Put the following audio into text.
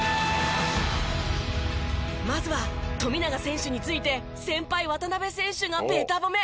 まずは富永選手について先輩渡邊選手がベタ褒め！